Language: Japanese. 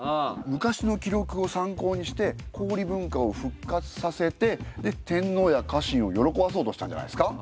昔の記録を参考にして氷文化を復活させてで天皇や家臣を喜ばそうとしたんじゃないですか？